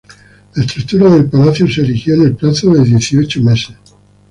La estructura del palacio se erigió en el plazo de dieciocho meses.